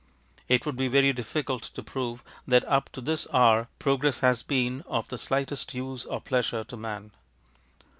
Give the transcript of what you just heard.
It would be very difficult to prove that up to this hour progress has been of the slightest use or pleasure to man.